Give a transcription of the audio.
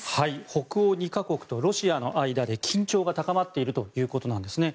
北欧２か国とロシアの間で緊張が高まっているということなんですね。